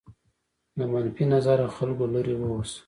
له منفي نظره خلکو لرې واوسه.